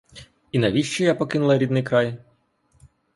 І навіщо я покинула рідний край?